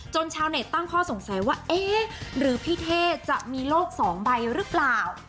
ชาวเน็ตตั้งข้อสงสัยว่าเอ๊ะหรือพี่เท่จะมีโลกสองใบหรือเปล่า